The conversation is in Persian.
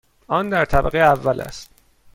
آن در طبقه اول است.